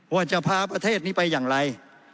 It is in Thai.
ว่าจะพาประเทศนี้ไปอย่างไร